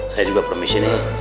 saya juga permisi nih